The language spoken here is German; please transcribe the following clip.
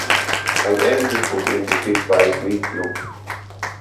Ein ähnliches Problem besteht bei Silicium.